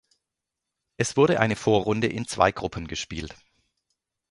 Es wurde eine Vorrunde in zwei Gruppen gespielt.